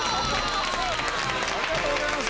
ありがとうございます！